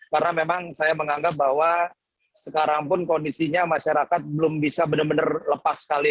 karena memang saya menganggap bahwa sekarang pun kondisinya masyarakat belum bisa benar benar lepas sekali